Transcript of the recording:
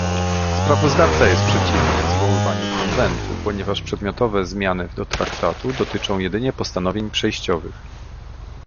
Sprawozdawca jest przeciwny zwoływaniu konwentu, ponieważ przedmiotowe zmiany do traktatu dotyczą jedynie postanowień przejściowych